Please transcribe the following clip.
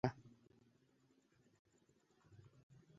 তৃতীয়ত, তার মধ্যে কোন পাথর বা কংকর সবুজ হয় না।